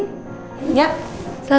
silahkan masuk bu